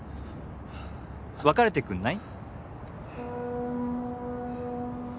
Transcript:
別れてくんない？